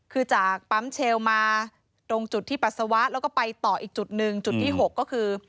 คือจากปั๊มเชลมาตรงจุดที่ปัสสาวะแล้วก็ไปต่ออีกจุดหนึ่งจุดที่๖ก็คือ